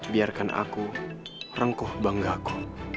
biarkan aku rengkuh banggaku